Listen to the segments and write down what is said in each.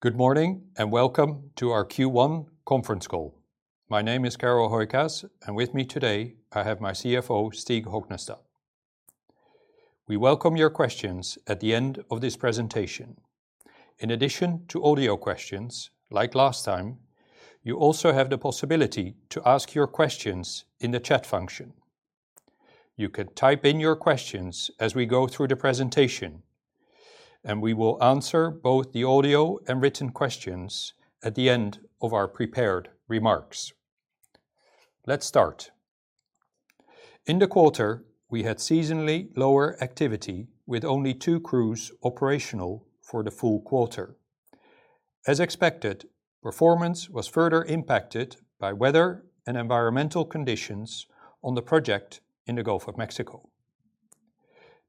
Good morning, and Welcome to Our Q1 Conference Call. My name is Carel Hooijkaas, and with me today I have my CFO, Stig Hognestad. We welcome your questions at the end of this presentation. In addition to audio questions, like last time, you also have the possibility to ask your questions in the chat function. You can type in your questions as we go through the presentation, and we will answer both the audio and written questions at the end of our prepared remarks. Let's start. In the quarter, we had seasonally lower activity with only two crews operational for the full quarter. As expected, performance was further impacted by weather and environmental conditions on the project in the Gulf of Mexico.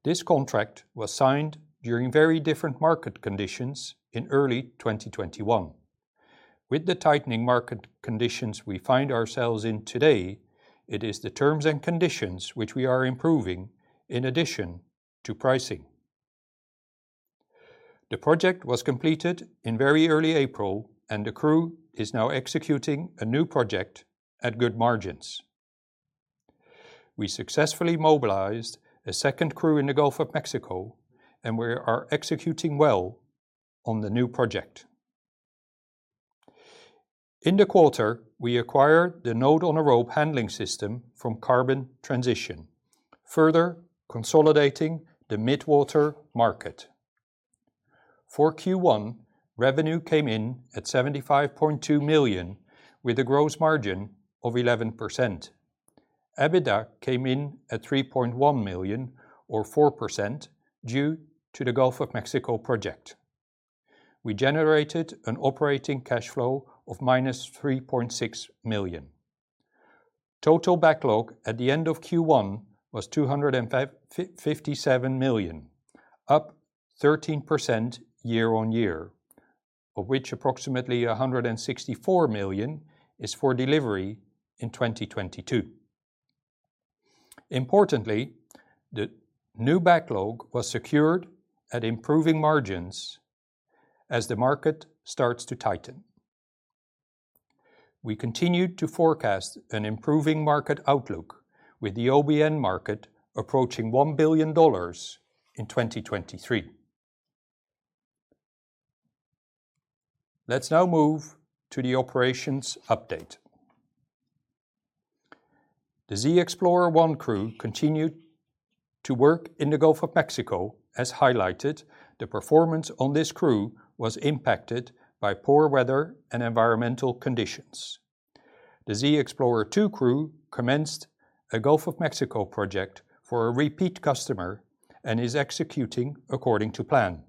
This contract was signed during very different market conditions in early 2021. With the tightening market conditions we find ourselves in today, it is the terms and conditions which we are improving in addition to pricing. The project was completed in very early April, and the crew is now executing a new project at good margins. We successfully mobilized a second crew in the Gulf of Mexico, and we are executing well on the new project. In the quarter, we acquired the node-on-a-rope handling system from Carbon Transition, further consolidating the mid-water market. For Q1, revenue came in at $75.2 million, with a gross margin of 11%. EBITDA came in at $3.1 million or 4% due to the Gulf of Mexico project. We generated an operating cash flow of -$3.6 million. Total backlog at the end of Q1 was $257 million, up 13% year-on-year, of which approximately $164 million is for delivery in 2022. Importantly, the new backlog was secured at improving margins as the market starts to tighten. We continued to forecast an improving market outlook with the OBN market approaching $1 billion in 2023. Let's now move to the operations update. The ZXPLR One crew continued to work in the Gulf of Mexico. As highlighted, the performance on this crew was impacted by poor weather and environmental conditions. The ZXPLR Two crew commenced a Gulf of Mexico project for a repeat customer and is executing according to plan.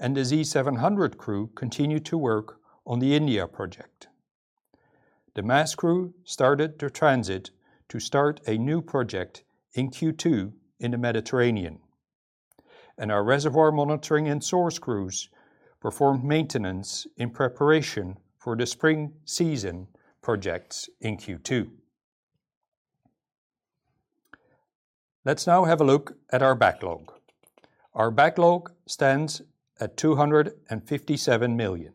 The Z700 crew continued to work on the India project. The MASS crew started their transit to start a new project in Q2 in the Mediterranean. Our reservoir monitoring and source crews performed maintenance in preparation for the spring season projects in Q2. Let's now have a look at our backlog. Our backlog stands at $257 million.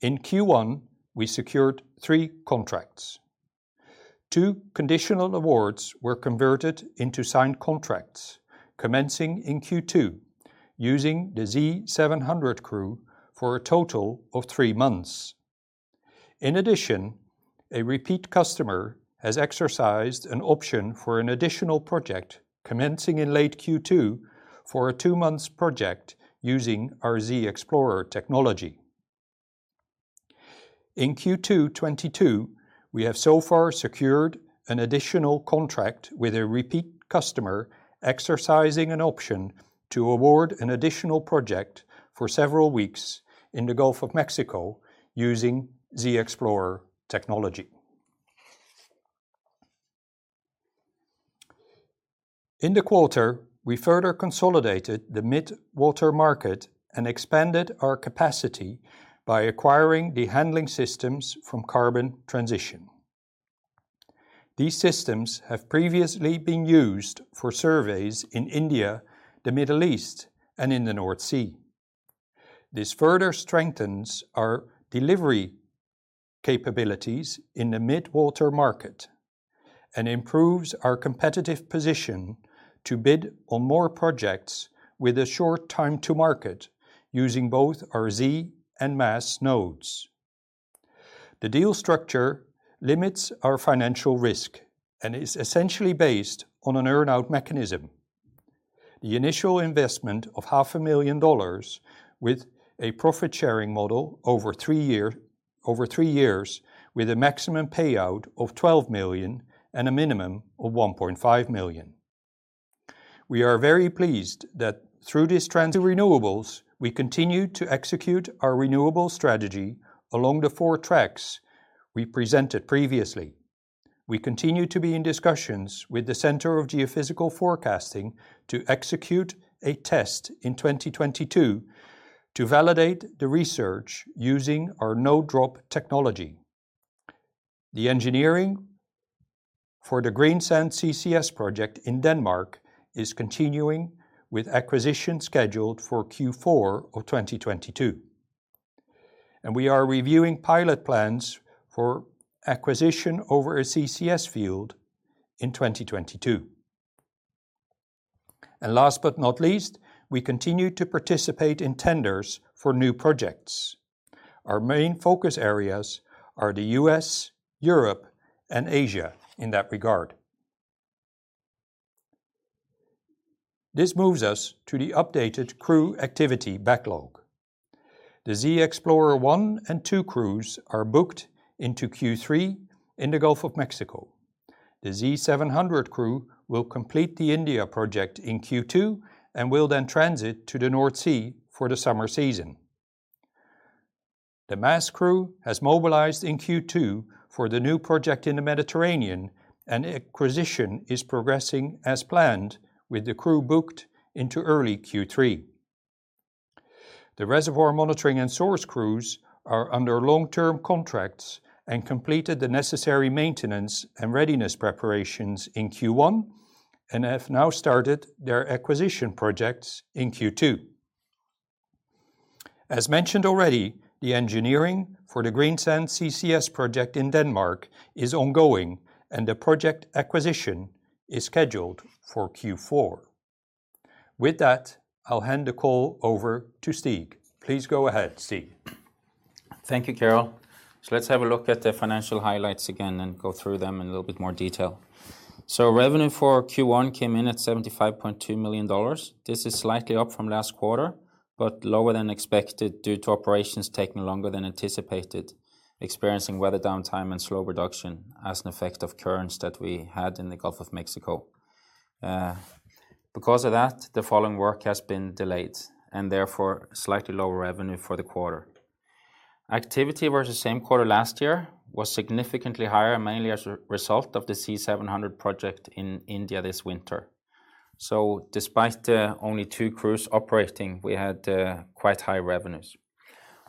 In Q1, we secured three contracts. Two conditional awards were converted into signed contracts commencing in Q2 using the Z700 crew for a total of three months. In addition, a repeat customer has exercised an option for an additional project commencing in late Q2 for a two months project using our Z-Explorer technology. In Q2 2022, we have so far secured an additional contract with a repeat customer exercising an option to award an additional project for several weeks in the Gulf of Mexico using Z-Explorer technology. In the quarter, we further consolidated the mid-water market and expanded our capacity by acquiring the handling systems from Carbon Transition. These systems have previously been used for surveys in India, the Middle East, and in the North Sea. This further strengthens our delivery capabilities in the mid-water market and improves our competitive position to bid on more projects with a short time to market using both our Z and MASS nodes. The deal structure limits our financial risk and is essentially based on an earn-out mechanism. The initial investment of $500,000 million with a profit-sharing model over three years with a maximum payout of $12 million and a minimum of $1.5 million. We are very pleased that through this transition to renewables, we continue to execute our renewable strategy along the four tracks we presented previously. We continue to be in discussions with the Centre for Geophysical Forecasting to execute a test in 2022 to validate the research using our node-on-a-rope technology. The engineering for the Greensand CCS project in Denmark is continuing with acquisition scheduled for Q4 2022. We are reviewing pilot plans for acquisition over a CCS field in 2022. Last but not least, we continue to participate in tenders for new projects. Our main focus areas are the U.S., Europe and Asia in that regard. This moves us to the updated crew activity backlog. The Z-Explorer One and Two crews are booked into Q3 in the Gulf of Mexico. The Z700 crew will complete the India project in Q2 and will then transit to the North Sea for the summer season. The MASS crew has mobilized in Q2 for the new project in the Mediterranean, and acquisition is progressing as planned, with the crew booked into early Q3. The reservoir monitoring and source crews are under long-term contracts and completed the necessary maintenance and readiness preparations in Q1, and have now started their acquisition projects in Q2. As mentioned already, the engineering for the Greensand CCS project in Denmark is ongoing, and the project acquisition is scheduled for Q4. With that, I'll hand the call over to Stig. Please go ahead, Stig. Thank you, Carel. Let's have a look at the financial highlights again and go through them in a little bit more detail. Revenue for Q1 came in at $75.2 million. This is slightly up from last quarter, but lower than expected due to operations taking longer than anticipated, experiencing weather downtime and slow production as an effect of currents that we had in the Gulf of Mexico. Because of that, the following work has been delayed and therefore slightly lower revenue for the quarter. Activity vs same quarter last year was significantly higher, mainly as a result of the Z700 project in India this winter. Despite the only two crews operating, we had quite high revenues.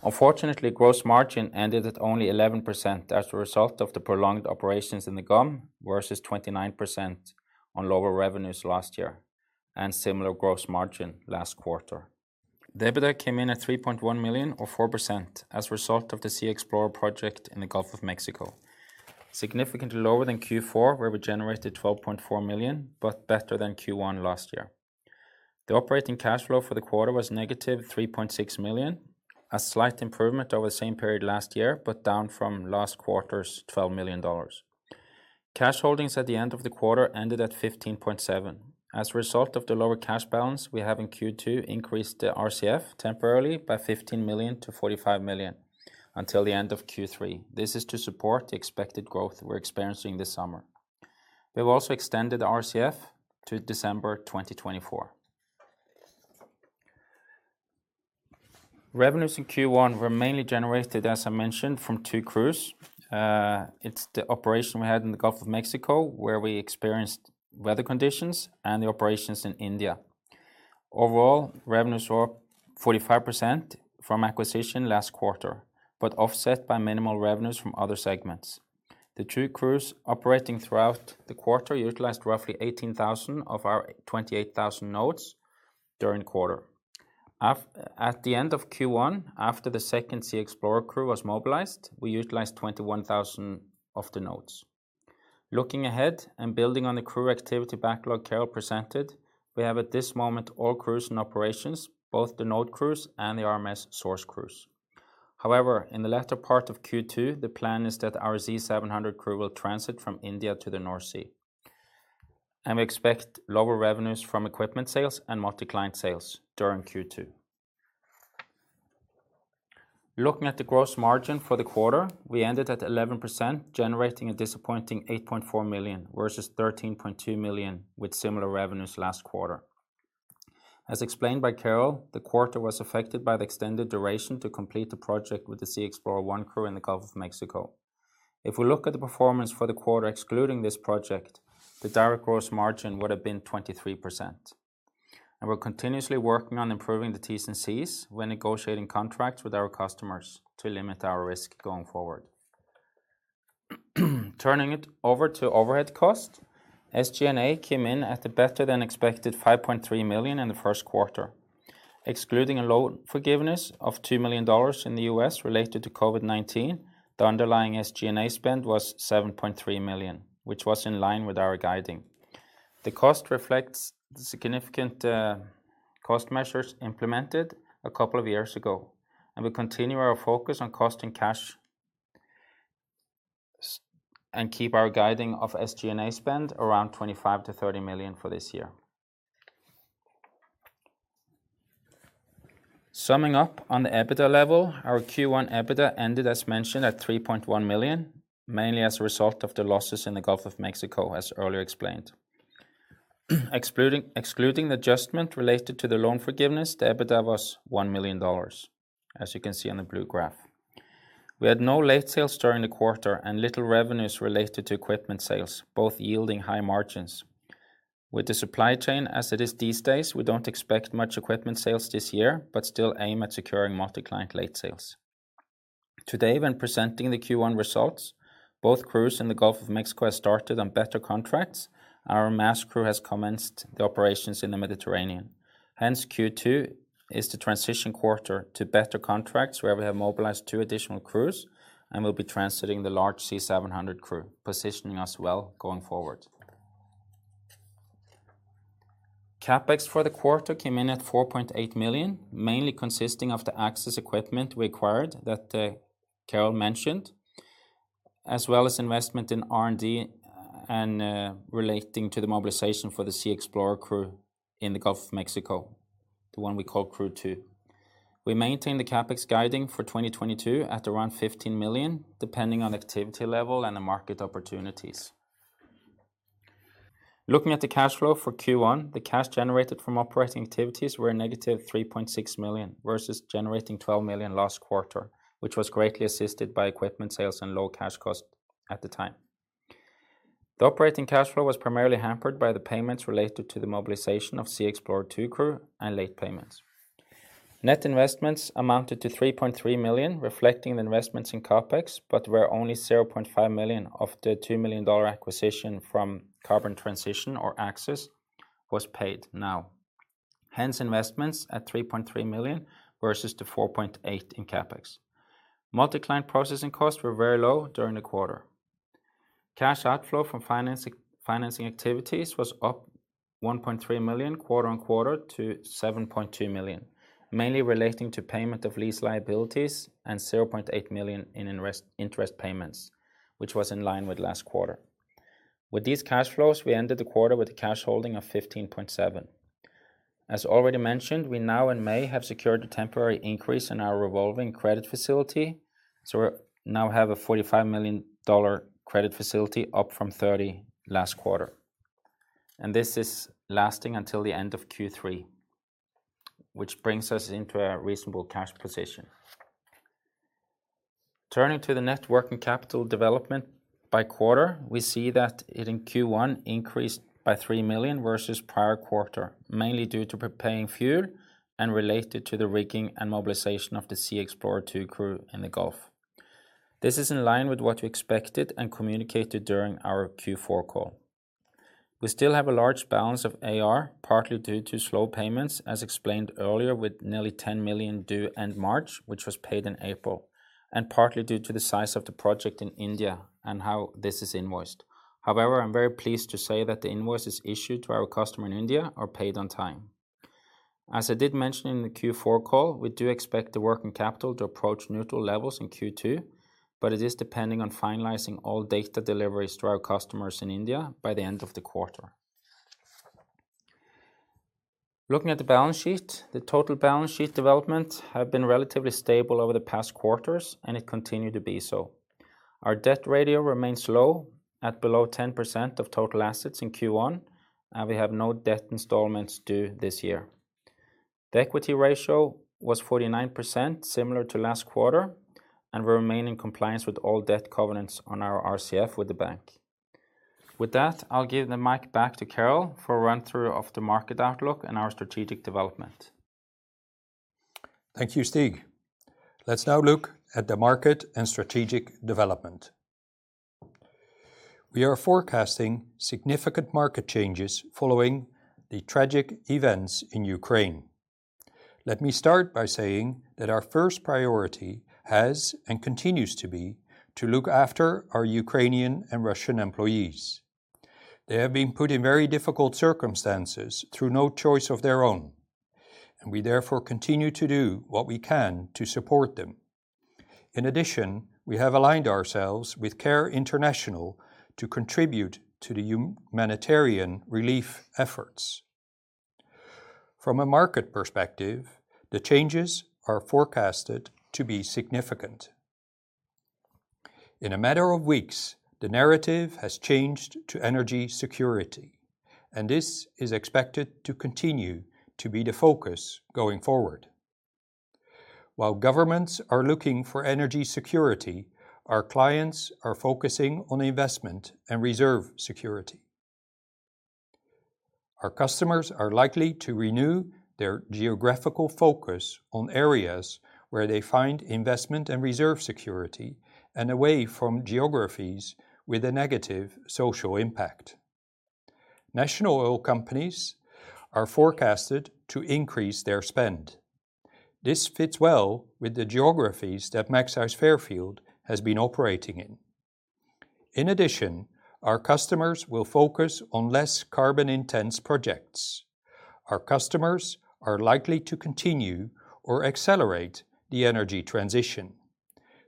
Unfortunately, gross margin ended at only 11% as a result of the prolonged operations in the GOM vs 29% on lower revenues last year and similar gross margin last quarter. EBITDA came in at $3.1 million or 4% as a result of the Z-Explorer project in the Gulf of Mexico. Significantly lower than Q4, where we generated $12.4 million, but better than Q1 last year. The operating cash flow for the quarter was -$3.6 million, a slight improvement over the same period last year, but down from last quarter's $12 million. Cash holdings at the end of the quarter ended at $15.7 million. As a result of the lower cash balance, we have in Q2 increased the RCF temporarily by $15 million-$45 million until the end of Q3. This is to support the expected growth we're experiencing this summer. We've also extended the RCF to December 2024. Revenues in Q1 were mainly generated, as I mentioned, from two crews. It's the operation we had in the Gulf of Mexico, where we experienced weather conditions and the operations in India. Overall, revenues were up 45% from acquisition last quarter, but offset by minimal revenues from other segments. The two crews operating throughout the quarter utilized roughly 18,000 of our 28,000 nodes during the quarter. At the end of Q1, after the second ZXPLR crew was mobilized, we utilized 21,000 of the nodes. Looking ahead and building on the crew activity backlog Carel presented, we have at this moment all crews in operations, both the node crews and the RMS source crews. However, in the latter part of Q2, the plan is that our Z700 crew will transit from India to the North Sea, and we expect lower revenues from equipment sales and multi-client sales during Q2. Looking at the gross margin for the quarter, we ended at 11%, generating a disappointing $8.4 million vs $13.2 million with similar revenues last quarter. As explained by Carel, the quarter was affected by the extended duration to complete the project with the ZXPLR One crew in the Gulf of Mexico. If we look at the performance for the quarter excluding this project, the direct gross margin would have been 23%. We're continuously working on improving the T&Cs when negotiating contracts with our customers to limit our risk going forward. Turning it over to overhead costs, SG&A came in at a better-than-expected $5.3 million in the first quarter. Excluding a loan forgiveness of $2 million in the U.S. related to COVID-19, the underlying SG&A spend was $7.3 million, which was in line with our guidance. The cost reflects the significant cost measures implemented a couple of years ago, and we continue our focus on cost and cash and keep our guidance of SG&A spend around $25-$30 million for this year. Summing up on the EBITDA level, our Q1 EBITDA ended, as mentioned, at $3.1 million, mainly as a result of the losses in the Gulf of Mexico, as earlier explained. Excluding the adjustment related to the loan forgiveness, the EBITDA was $1 million, as you can see on the blue graph. We had no late sales during the quarter and little revenues related to equipment sales, both yielding high margins. With the supply chain as it is these days, we don't expect much equipment sales this year, but still aim at securing multi-client late sales. Today, when presenting the Q1 results, both crews in the Gulf of Mexico have started on better contracts. Our MASS crew has commenced the operations in the Mediterranean. Hence, Q2 is the transition quarter to better contracts, where we have mobilized two additional crews and we'll be transiting the large Z700 crew, positioning us well going forward. CapEx for the quarter came in at $4.8 million, mainly consisting of the Axxis equipment we acquired that Carel mentioned, as well as investment in R&D and relating to the mobilization for the ZXPLR crew in the Gulf of Mexico, the one we call Crew Two. We maintain the CapEx guiding for 2022 at around $15 million, depending on activity level and the market opportunities. Looking at the cash flow for Q1, the cash generated from operating activities were a -$3.6 million, vs generating $12 million last quarter, which was greatly assisted by equipment sales and low cash cost at the time. The operating cash flow was primarily hampered by the payments related to the mobilization of ZXPLR Two crew and late payments. Net investments amounted to $3.3 million, reflecting the investments in CapEx, but where only $0.5 million of the $2 million acquisition from Carbon Transition, or Axxis, was paid now. Hence, investments at $3.3 million vs the $4.8 million in CapEx. Multi-client processing costs were very low during the quarter. Cash outflow from financing activities was up $1.3 million quarter-over-quarter to $7.2 million, mainly relating to payment of lease liabilities and $0.8 million in interest payments, which was in line with last quarter. With these cash flows, we ended the quarter with a cash holding of $15.7 million. As already mentioned, we now in May have secured a temporary increase in our revolving credit facility, so we now have a $45 million credit facility, up from $30 million last quarter. This is lasting until the end of Q3, which brings us into a reasonable cash position. Turning to the net working capital development by quarter, we see that it in Q1 increased by $3 million vs prior quarter, mainly due to preparing fuel and related to the rigging and mobilization of the Z-Explorer Two crew in the Gulf. This is in line with what we expected and communicated during our Q4 call. We still have a large balance of AR, partly due to slow payments, as explained earlier, with nearly $10 million due end March, which was paid in April, and partly due to the size of the project in India and how this is invoiced. However, I'm very pleased to say that the invoices issued to our customer in India are paid on time. As I did mention in the Q4 call, we do expect the working capital to approach neutral levels in Q2, but it is depending on finalizing all data deliveries to our customers in India by the end of the quarter. Looking at the balance sheet, the total balance sheet developments have been relatively stable over the past quarters, and it continued to be so. Our debt ratio remains low at below 10% of total assets in Q1, and we have no debt installments due this year. The equity ratio was 49%, similar to last quarter, and we remain in compliance with all debt covenants on our RCF with the bank. With that, I'll give the mic back to Carel for a run-through of the market outlook and our strategic development. Thank you, Stig. Let's now look at the market and strategic development. We are forecasting significant market changes following the tragic events in Ukraine. Let me start by saying that our first priority has and continues to be to look after our Ukrainian and Russian employees. They have been put in very difficult circumstances through no choice of their own, and we therefore continue to do what we can to support them. In addition, we have aligned ourselves with CARE International to contribute to the humanitarian relief efforts. From a market perspective, the changes are forecasted to be significant. In a matter of weeks, the narrative has changed to energy security, and this is expected to continue to be the focus going forward. While governments are looking for energy security, our clients are focusing on investment and reserve security. Our customers are likely to renew their geographical focus on areas where they find investment and reserve security and away from geographies with a negative social impact. National oil companies are forecasted to increase their spend. This fits well with the geographies that Magseis Fairfield has been operating in. In addition, our customers will focus on less carbon-intense projects. Our customers are likely to continue or accelerate the energy transition.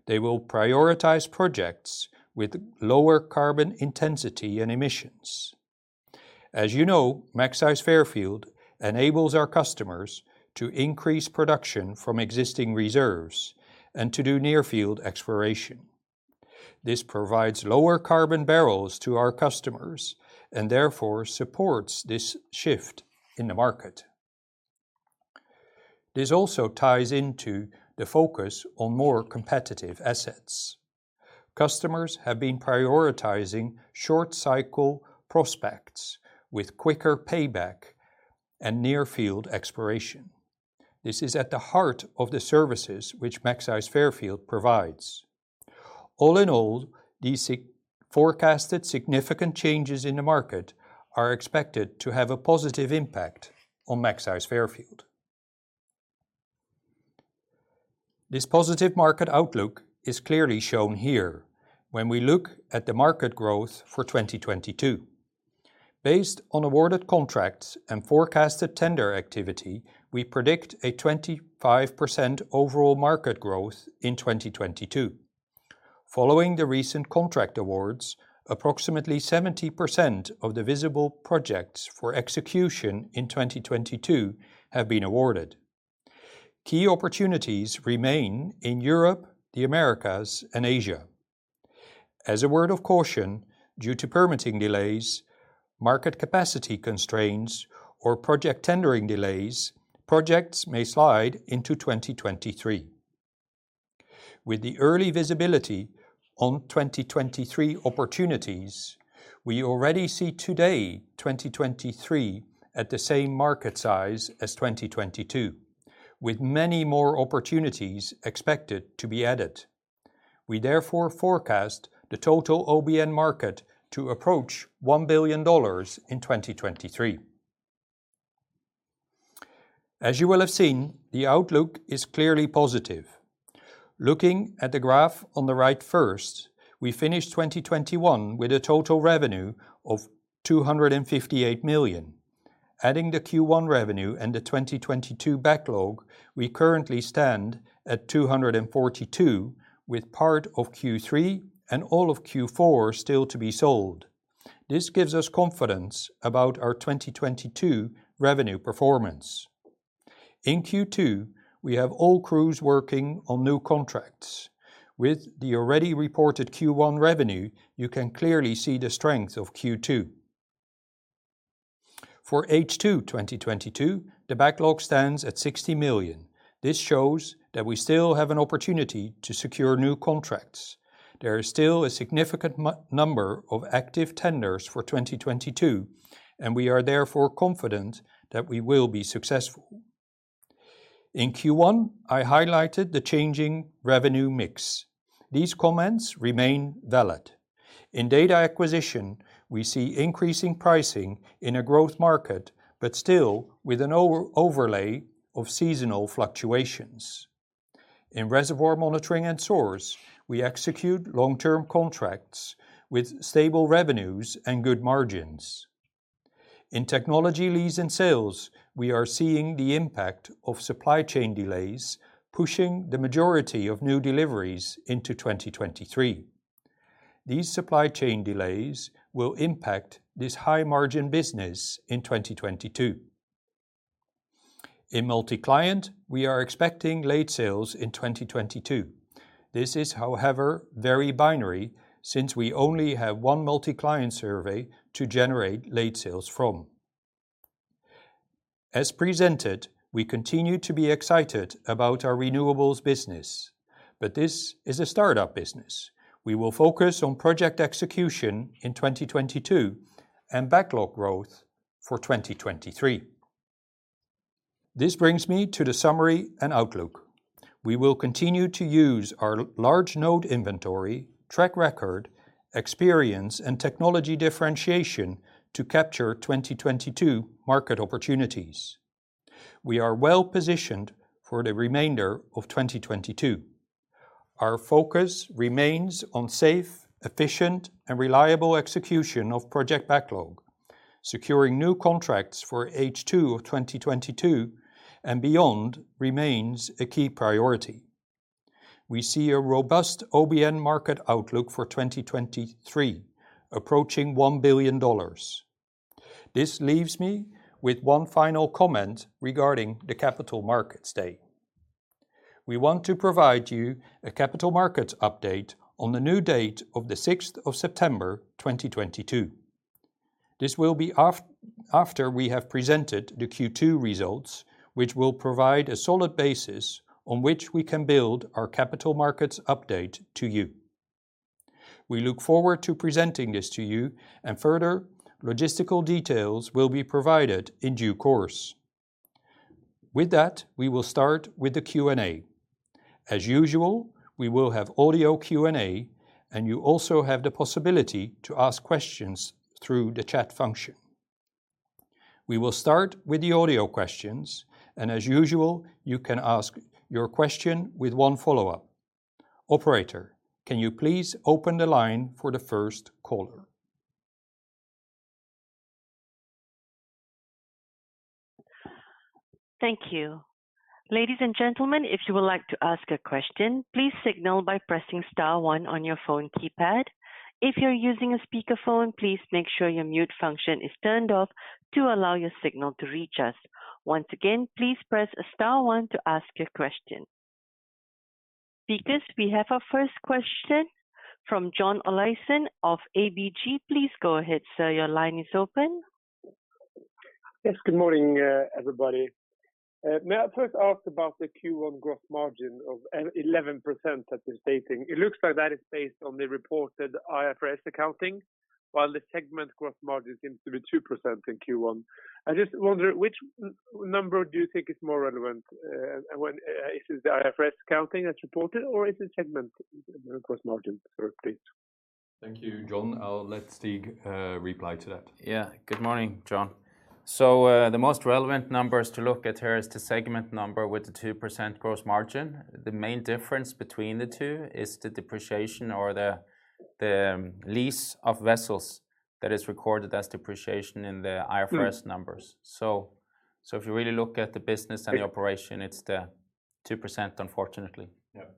They will prioritize projects with lower carbon intensity and emissions. As you know, Magseis Fairfield enables our customers to increase production from existing reserves and to do near-field exploration. This provides lower carbon barrels to our customers and therefore supports this shift in the market. This also ties into the focus on more competitive assets. Customers have been prioritizing short cycle prospects with quicker payback and near field exploration. This is at the heart of the services which Magseis Fairfield provides. All in all, these forecasted significant changes in the market are expected to have a positive impact on Magseis Fairfield. This positive market outlook is clearly shown here when we look at the market growth for 2022. Based on awarded contracts and forecasted tender activity, we predict a 25% overall market growth in 2022. Following the recent contract awards, approximately 70% of the visible projects for execution in 2022 have been awarded. Key opportunities remain in Europe, the Americas, and Asia. As a word of caution, due to permitting delays, market capacity constraints, or project tendering delays, projects may slide into 2023. With the early visibility on 2023 opportunities, we already see today 2023 at the same market size as 2022, with many more opportunities expected to be added. We therefore forecast the total OBN market to approach $1 billion in 2023. As you will have seen, the outlook is clearly positive. Looking at the graph on the right first, we finished 2021 with a total revenue of $258 million. Adding the Q1 revenue and the 2022 backlog, we currently stand at $242 million, with part of Q3 and all of Q4 still to be sold. This gives us confidence about our 2022 revenue performance. In Q2, we have all crews working on new contracts. With the already reported Q1 revenue, you can clearly see the strength of Q2. For H2 2022, the backlog stands at $60 million. This shows that we still have an opportunity to secure new contracts. There is still a significant number of active tenders for 2022, and we are therefore confident that we will be successful. In Q1, I highlighted the changing revenue mix. These comments remain valid. In data acquisition, we see increasing pricing in a growth market, but still with an overlay of seasonal fluctuations. In reservoir monitoring and source, we execute long-term contracts with stable revenues and good margins. In technology lease and sales, we are seeing the impact of supply chain delays pushing the majority of new deliveries into 2023. These supply chain delays will impact this high margin business in 2022. In multi-client, we are expecting late sales in 2022. This is, however, very binary since we only have one multi-client survey to generate late sales from. As presented, we continue to be excited about our renewables business, but this is a startup business. We will focus on project execution in 2022 and backlog growth for 2023. This brings me to the summary and outlook. We will continue to use our large node inventory, track record, experience, and technology differentiation to capture 2022 market opportunities. We are well-positioned for the remainder of 2022. Our focus remains on safe, efficient, and reliable execution of project backlog. Securing new contracts for H2 of 2022 and beyond remains a key priority. We see a robust OBN market outlook for 2023 approaching $1 billion. This leaves me with one final comment regarding the Capital Markets Day. We want to provide you a capital markets update on the new date of September 6, 2022. This will be after we have presented the Q2 results, which will provide a solid basis on which we can build our capital markets update to you. We look forward to presenting this to you and further logistical details will be provided in due course. With that, we will start with the Q&A. As usual, we will have audio Q&A, and you also have the possibility to ask questions through the chat function. We will start with the audio questions, and as usual, you can ask your question with one follow-up. Operator, can you please open the line for the first caller? Thank you. Ladies and gentlemen, if you would like to ask a question, please signal by pressing star one on your phone keypad. If you're using a speakerphone, please make sure your mute function is turned off to allow your signal to reach us. Once again, please press star one to ask your question. We have our first question from John Olaisen of ABG. Please go ahead, sir. Your line is open. Yes. Good morning, everybody. May I first ask about the Q1 growth margin of 11% that you're stating? It looks like that is based on the reported IFRS accounting, while the segment growth margin seems to be 2% in Q1. I just wonder, which number do you think is more relevant? When is it the IFRS accounting that's reported, or is it segment growth margin, sir, please? Thank you, John. I'll let Stig reply to that. Good morning, John. The most relevant numbers to look at here is the segment number with the 2% gross margin. The main difference between the two is the depreciation or the lease of vessels that is recorded as depreciation in the IFRS numbers. If you really look at the business and the operation, it's the 2%, unfortunately. Yeah.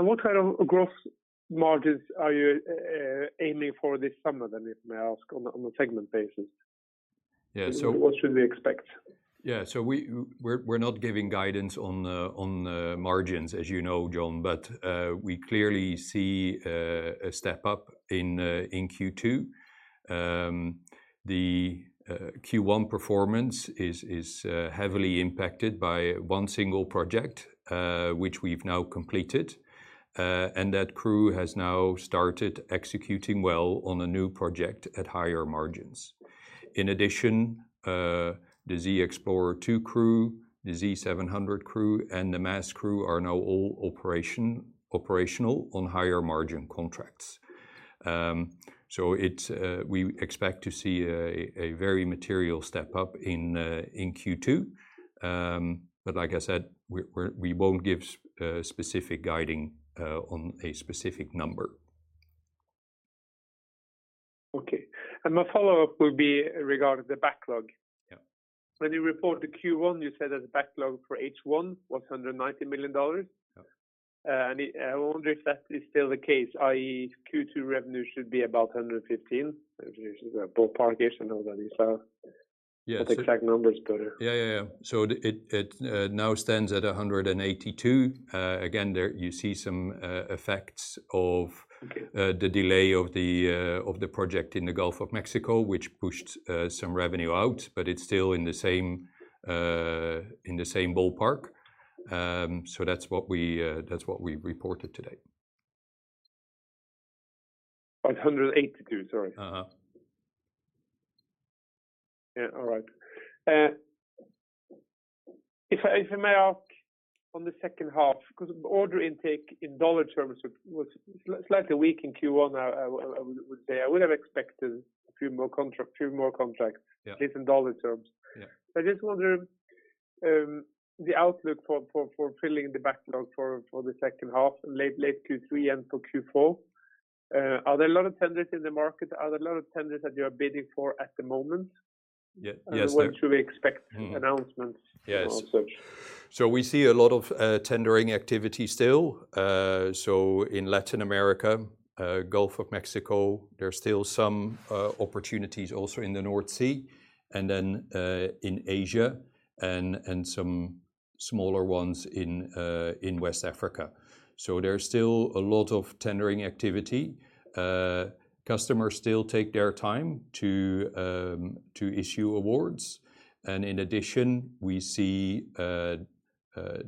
What kind of gross margins are you aiming for this summer, then, if I may ask, on a segment basis? Yeah. What should we expect? Yeah. We're not giving guidance on margins, as you know, John. We clearly see a step up in Q2. The Q1 performance is heavily impacted by one single project which we've now completed. That crew has now started executing well on a new project at higher margins. In addition, the ZXPLR Two crew, the Z700 crew, and the MASS crew are now all operational on higher margin contracts. We expect to see a very material step up in Q2. Like I said, we're not giving specific guidance on a specific number. Okay. My follow-up will be regarding the backlog. Yeah. When you report the Q1, you said that the backlog for H1 was $190 million. Yeah. I wonder if that is still the case, i.e., Q2 revenue should be about $115 million. This is a ballparkish and all that. Yeah. The exact number is better. Yeah. It now stands at $192 million. Again, there you see some effects of. Okay The delay of the project in the Gulf of Mexico, which pushed some revenue out. It's still in the same ballpark. That's what we reported today. $182 million? Sorry. Uh-huh. Yeah. All right. If I may ask on the second half, 'cause order intake in dollar terms was slightly weak in Q1, I would say. I would have expected a few more contracts. Yeah At least in dollar terms. Yeah. I just wonder the outlook for filling the backlog for the second half and late Q3 and for Q4. Are there a lot of tenders in the market? Are there a lot of tenders that you are bidding for at the moment? Yeah. Yes. When should we expect announcements? Yes all such? We see a lot of tendering activity still. In Latin America, Gulf of Mexico, there's still some opportunities also in the North Sea, and then in Asia and some smaller ones in West Africa. There's still a lot of tendering activity. Customers still take their time to issue awards. In addition, we see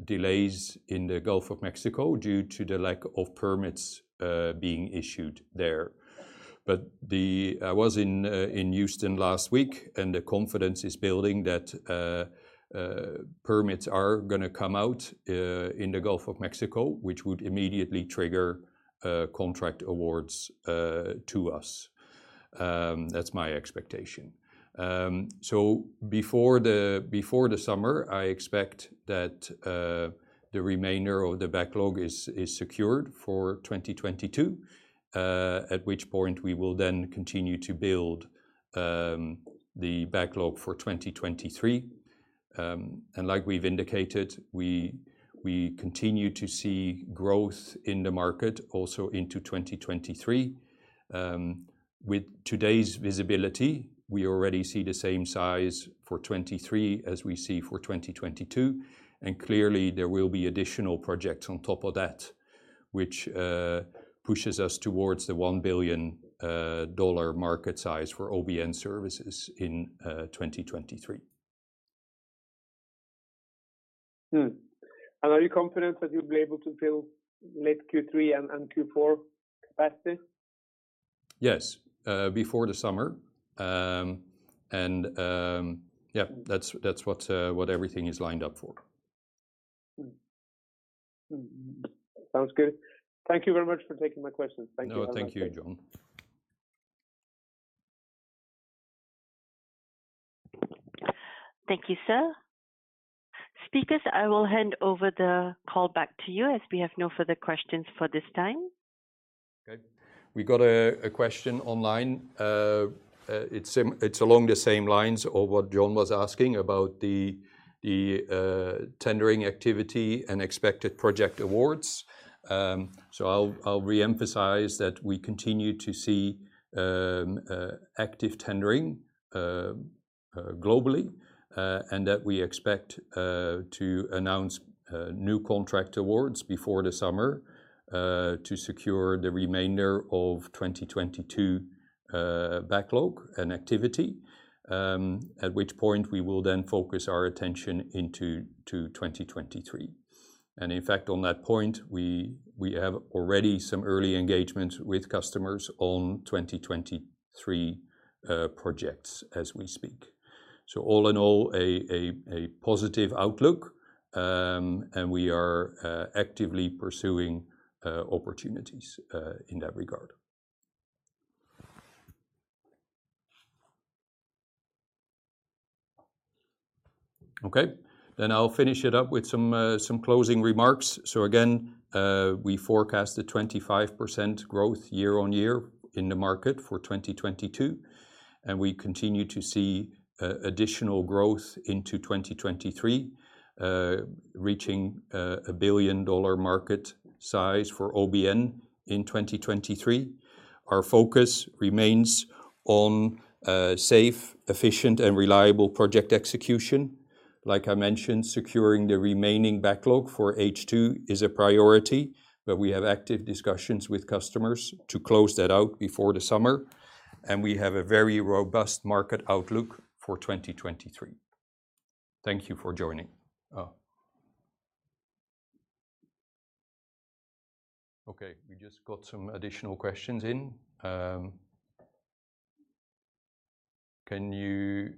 delays in the Gulf of Mexico due to the lack of permits being issued there. I was in Houston last week, and the confidence is building that permits are gonna come out in the Gulf of Mexico, which would immediately trigger contract awards to us. That's my expectation. Before the summer, I expect that the remainder of the backlog is secured for 2022, at which point we will then continue to build the backlog for 2023. Like we've indicated, we continue to see growth in the market also into 2023. With today's visibility, we already see the same size for 2023 as we see for 2022. Clearly, there will be additional projects on top of that, which pushes us towards the $1 billion market size for OBN services in 2023. Are you confident that you'll be able to fill late Q3 and Q4 capacity? Yes, before the summer. Yeah, that's what everything is lined up for. Sounds good. Thank you very much for taking my questions. Thank you. No, thank you, John. Thank you, sir. Speakers, I will hand over the call back to you as we have no further questions for this time. Okay. We got a question online. It's along the same lines of what John was asking about the tendering activity and expected project awards. I'll reemphasize that we continue to see active tendering globally, and that we expect to announce new contract awards before the summer to secure the remainder of 2022 backlog and activity. At which point, we will then focus our attention into 2023. In fact, on that point, we have already some early engagement with customers on 2023 projects as we speak. All in all, a positive outlook. We are actively pursuing opportunities in that regard. Okay. I'll finish it up with some closing remarks. Again, we forecast 25% growth year-over-year in the market for 2022, and we continue to see additional growth into 2023, reaching a $1 billion market size for OBN in 2023. Our focus remains on safe, efficient, and reliable project execution. Like I mentioned, securing the remaining backlog for H2 is a priority, but we have active discussions with customers to close that out before the summer, and we have a very robust market outlook for 2023. Thank you for joining. Okay, we just got some additional questions in. Can you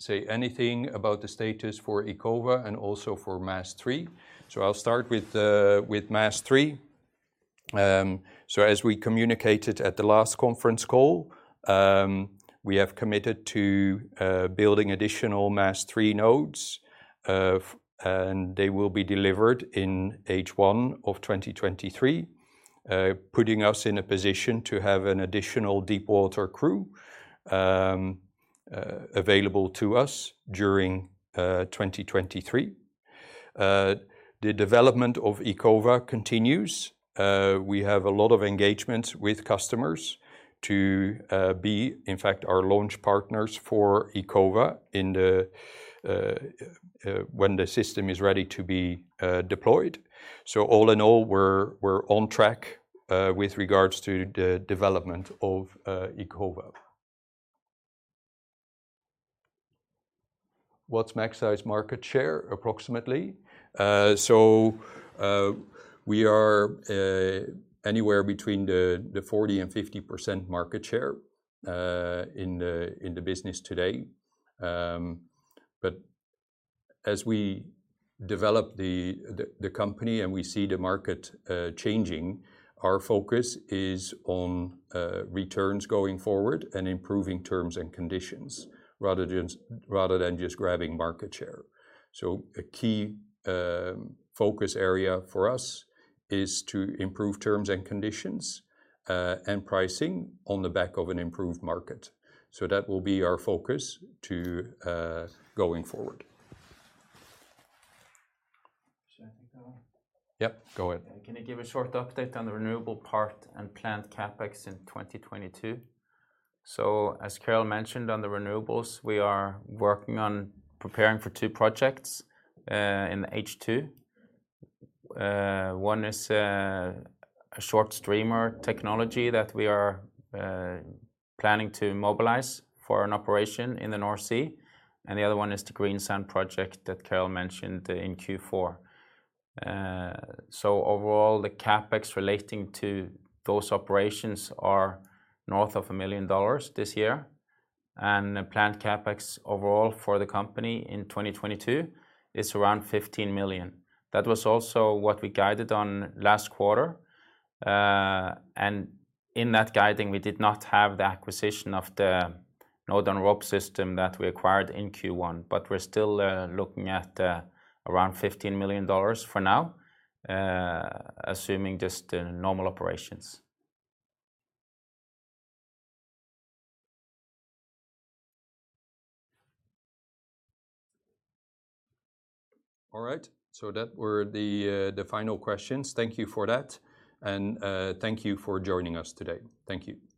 say anything about the status for Echova and also for MASS III? I'll start with MASS III. As we communicated at the last conference call, we have committed to building additional MASS III nodes, and they will be delivered in H1 2023, putting us in a position to have an additional deepwater crew available to us during 2023. The development of Echova continues. We have a lot of engagements with customers to be, in fact, our launch partners for Echova when the system is ready to be deployed. All in all, we're on track with regards to the development of Echova. What's Magseis market share approximately? We are anywhere between 40%-50% market share in the business today. As we develop the company and we see the market changing, our focus is on returns going forward and improving terms and conditions rather than just grabbing market share. A key focus area for us is to improve terms and conditions and pricing on the back of an improved market. That will be our focus, too, going forward. Should I take that one? Yep, go ahead. Can you give a short update on the renewable part and planned CapEx in 2022? As Carel mentioned on the renewables, we are working on preparing for two projects in H2. One is a short streamer technology that we are planning to mobilize for an operation in the North Sea, and the other one is the Greensand project that Carel mentioned in Q4. Overall, the CapEx relating to those operations are north of $1 million this year, and the planned CapEx overall for the company in 2022 is around $15 million. That was also what we guided on last quarter. In that guiding, we did not have the acquisition of the node-on-a-rope system that we acquired in Q1, but we're still looking at around $15 million for now, assuming just normal operations. All right. That were the final questions. Thank you for that. Thank you for joining us today. Thank you.